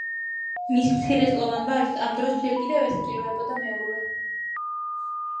მის მცირეწლოვან ვაჟს ამ დროს ჯერ კიდევ ესაჭიროებოდა მეურვე.